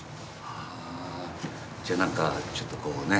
じゃあ何かちょっとこうね。